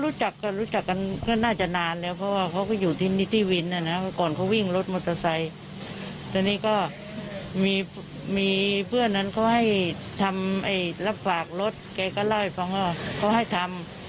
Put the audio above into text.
ทำรับฝากรถแกก็เล่าให้ฟังว่าเขาให้ทำ